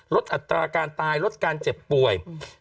อัตราการตายลดการเจ็บป่วย